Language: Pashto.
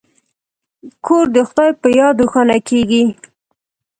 کور د خدای په یاد روښانه کیږي.